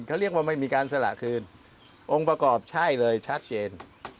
เขาเรียกว่าไม่มีการสละคืนองค์ประกอบใช่เลยชัดเจน